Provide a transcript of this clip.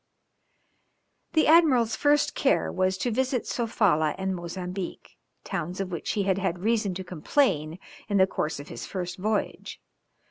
The admiral's first care was to visit Sofala and Mozambique, towns of which he had had reason to complain in the course of his first voyage.